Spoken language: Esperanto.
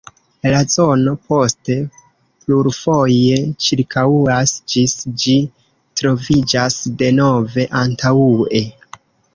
La zono poste plurfoje ĉirkaŭas, ĝis ĝi troviĝas denove antaŭe.